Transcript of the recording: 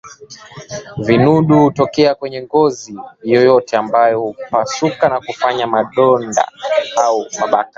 Vinundu hutokea kwenye ngozi yote ambavyo hupasuka na kufanya madonda au mabaka